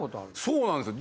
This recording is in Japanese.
そうなんですよ。